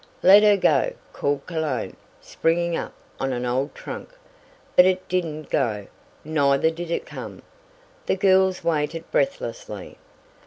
"Let her go!" called Cologne, springing up on an old trunk. But it didn't go, neither did it come. The girls waited breathlessly.